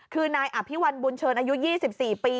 คือนายอภิวัลบุญเชิญอายุ๒๔ปี